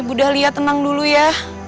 budah liat tenang dulu ya